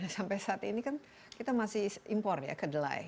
sampai saat ini kan kita masih impor ya kedelai